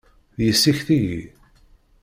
D yessi-k tigi?